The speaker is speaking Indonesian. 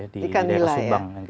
di daerah subang